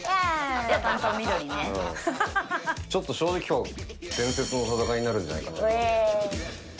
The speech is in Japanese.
ちょっと正直今日伝説の戦いになるんじゃないかなって。